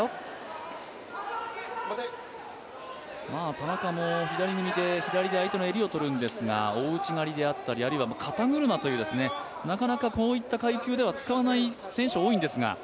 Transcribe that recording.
田中も左組みで左で相手の襟を取るんですが大内刈であったりあとは肩車といったなかなか、こういった階級では使わない選手が多いんですが。